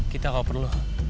kita harus mencari anak anak